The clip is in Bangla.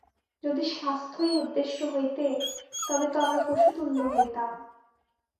যদি স্বাস্থ্যই উদ্দেশ্য হইতে, তবে তো আমরা পশুতুল্য হইতাম।